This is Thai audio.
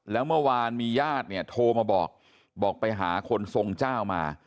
แล้วเมื่อวานมีญาติเนี่ยโทรมาบอกบอกไปหาคนทรงเจ้ามา